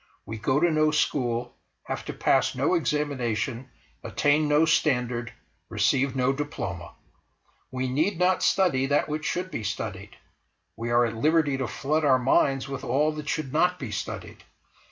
We go to no school, have to pass no examination, attain no standard, receive no diploma. We need not study that which should be studied; we are at liberty to flood our minds with all that should not be studied.